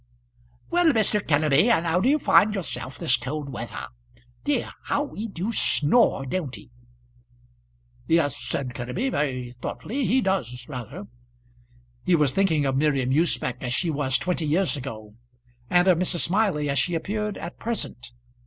"Well, Mr. Kenneby, and how do you find yourself this cold weather? Dear, how he do snore; don't he?" "Yes," said Kenneby, very thoughtfully, "he does rather." He was thinking of Miriam Usbech as she was twenty years ago, and of Mrs. Smiley as she appeared at present.